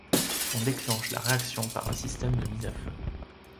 On déclenche la réaction par un système de mise à feu.